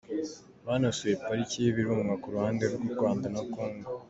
Banasuye pariki y’Ibirunga ku ruhande rw’u Rwanda na Congo.